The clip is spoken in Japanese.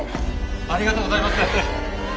ありがとうございます！